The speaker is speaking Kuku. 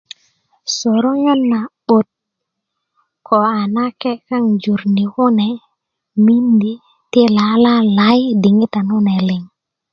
soronyon na'but ko a nake kaŋ jur ni kune mindi ti lalalayi i diŋitan kune liŋ